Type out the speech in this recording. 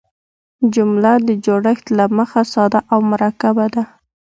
جمله د جوړښت له مخه ساده او مرکبه ده.